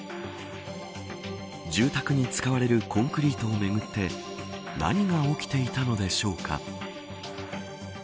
住宅に使われるコンクリートをめぐって何が起きていたのでしょうか。